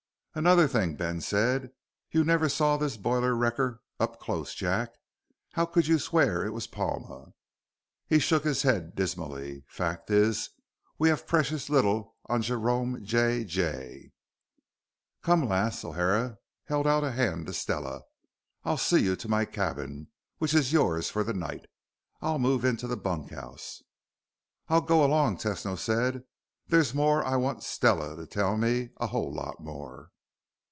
"Another thing," Ben said. "You never saw this boiler wrecker up close, Jack. How could you swear it was Palma?" He shook his head dismally. "Fact is, we have precious little on Jerome J. Jay." "Come, lass." O'Hara held out a hand to Stella. "I'll see you to my cabin, which is yours for the night. I'll move into the bunkhouse." "I'll go along," Tesno said. "There's more that I want Stella to tell me. A whole lot more."